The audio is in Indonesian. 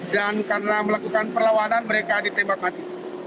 dan karena melakukan perlawanan mereka ditembak mati